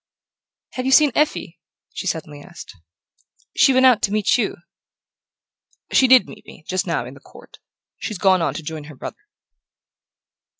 "Have you seen Effie?" she suddenly asked. "She went out to meet you." "She DID meet me, just now, in the court. She's gone on to join her brother."